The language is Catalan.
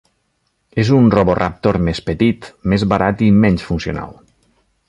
És un Roboraptor més petit, més barat i menys funcional.